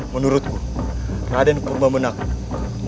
menurutku raden purba menang